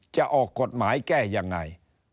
จะออกกฎหมายแก้ยังไง